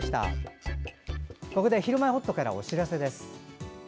ここで「ひるまえほっと」からお知らせです。